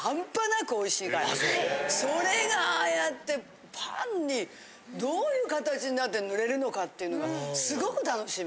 それがああやってパンにどういう形になって塗れるのかっていうのがすごく楽しみ。